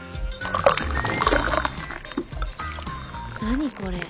何これ？